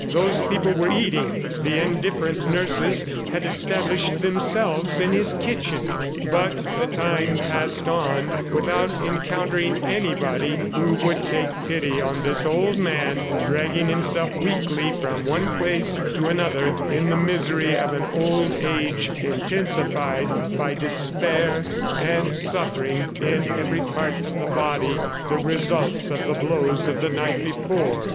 Those people were eating; the indifferent nurses had established themselves in his kitchen. ... But the time passed on without encountering anybody who would take pity on this old man dragging himself weakly from one place to another, in the misery of an old age intensified by despair, and suffering in every part of the body, the results of the blows of the night before.